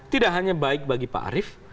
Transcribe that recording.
tidak hanya baik bagi pak arief